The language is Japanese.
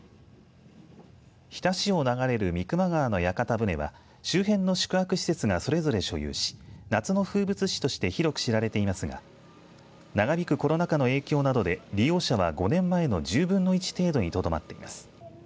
日田市を流れる三隈川の屋形船は周辺の宿泊施設がそれぞれ所有し夏の風物詩として広く知られていますが長引くコロナ禍の影響などで利用者は５年前の１０分の１程度にとどまっています。